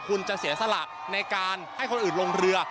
คุณจะเสียสละในการให้คนอื่นลงเรือ